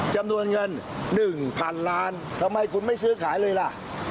จำนวนเงิน๑๐๐๐ล้านทำไมคุณไม่ซื้อขายเลยล่ะ